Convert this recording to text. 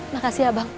makasih ya bang